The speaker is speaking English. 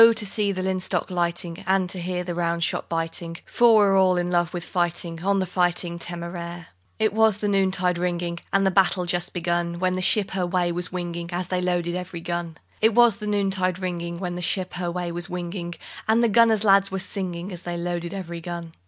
to see the linstock lighting, And to hear the round shot biting, For we're all in love with fighting On the Fighting Téméraire._ It was noontide ringing, And the battle just begun, When the ship her way was winging, As they loaded every gun. It was noontide ringing When the ship her way was winging, And the gunner's lads were singing, As they loaded every gun.